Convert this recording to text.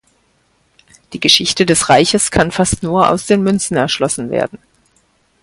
Die Geschichte des Reiches kann fast nur aus den Münzen erschlossen werden.